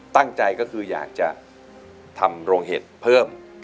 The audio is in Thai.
ตั้งใจก็คืออยากจะทำโรงเห็ดเพิ่ม